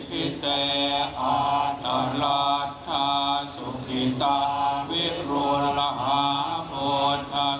รูปที่สองดอกเตอร์พรุงศักดิ์เสียบสันที่ปรึกษารัฐมนตรีว่าการกรสวมวัฒนธรรม